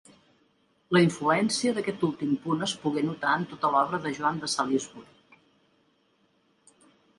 La influència d'aquest últim punt es pogué notar en tota l'obra de Joan de Salisbury.